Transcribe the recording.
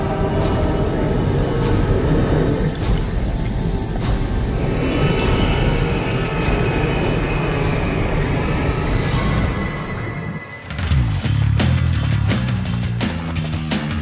อเจมส์